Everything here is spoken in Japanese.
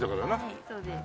はいそうです。